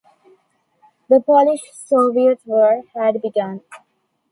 The Polish-Soviet War had begun.